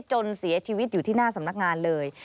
จนเสียชีวิตอยู่ที่หน้าสำนักงานเลย